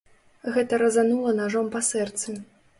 Гэта разанула нажом па сэрцы.